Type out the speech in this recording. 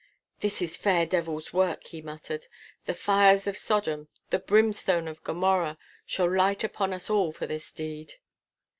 'This is fair devil's work,' he muttered. 'The fires of Sodom, the brimstone of Gomorrah shall light upon us all for this deed!